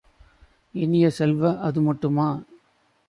இனிய செல்வ, அதுமட்டுமா?